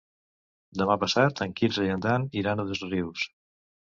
Demà passat en Quirze i en Dan iran a Dosrius.